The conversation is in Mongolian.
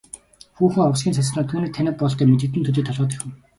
Хүүхэн овсхийн цочсоноо түүнийг танив бололтой мэдэгдэм төдий толгой дохив.